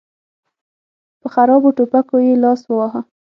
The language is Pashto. په خرابو ټوپکو يې لاس وواهه.